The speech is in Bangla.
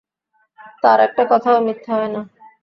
তাঁর একটা কথাও মিথ্যে হয় না।